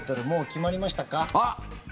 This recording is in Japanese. もう決まりましたか？